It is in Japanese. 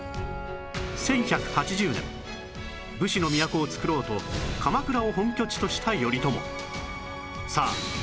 １１８０年武士の都をつくろうと鎌倉を本拠地とした頼朝